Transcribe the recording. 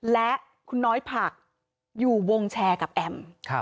และคุณน้อยผักอยู่วงแชร์กับแอม